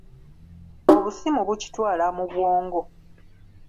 Obusimu bukitwala mu bwongo.